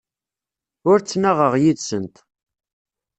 Ur ttnaɣeɣ yid-sent.